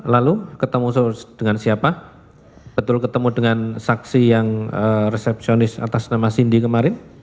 lalu ketemu dengan siapa betul ketemu dengan saksi yang resepsionis atas nama cindy kemarin